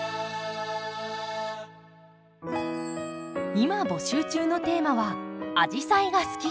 今募集中のテーマは「アジサイが好き！」。